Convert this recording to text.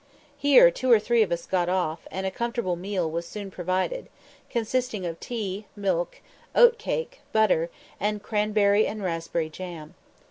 _" Here two or three of us got off, and a comfortable meal was soon provided, consisting of tea, milk, oat cake, butter, and cranberry and raspberry jam.